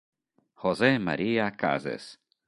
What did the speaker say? José María Cases